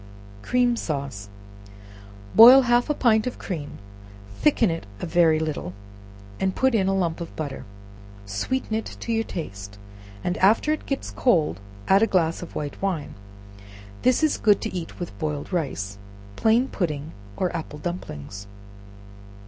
Cream Sauce. Boil half a pint of cream, thicken it a very little, and put in a lump of butter; sweeten it to your taste, and after it gets cold add a glass of white wine; this is good to eat with boiled rice, plain pudding, or apple dumplings.